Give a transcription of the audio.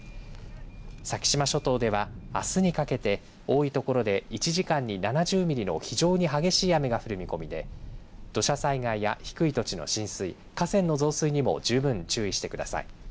先島諸島では、あすにかけて多い所で１時間に７０ミリの非常に激しい雨が降る見込みで土砂災害や低い土地の浸水河川の増水にも十分注意してください。